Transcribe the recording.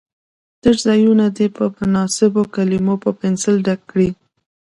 تش ځایونه دې په مناسبو کلمو په پنسل ډک کړي.